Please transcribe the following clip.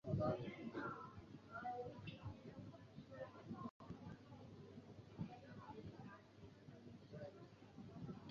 掌握科技新兴议题